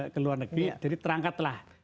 ke luar negeri jadi terangkatlah